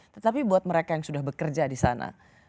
tetapi buat mereka yang sudah bekerja disana